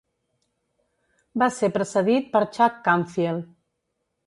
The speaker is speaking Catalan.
Va ser precedit de Chuck Canfield.